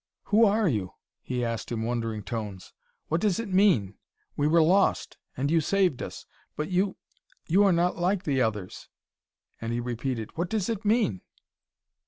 "Who are you?" he asked in wondering tones. "What does it mean? We were lost and you saved us. But you you are not like the others." And he repeated, "What does it mean?"